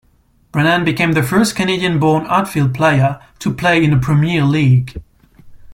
Brennan became the first Canadian born outfield player to play in the Premier League.